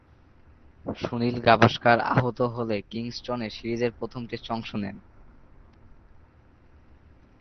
সুনীল গাভাস্কার আহত হলে কিংস্টনে সিরিজের প্রথম টেস্টে অংশ নেন।